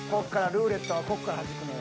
ルーレットはこっからはじくのよ。